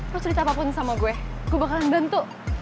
lo cerita apapun sama gue gue bakalan bantu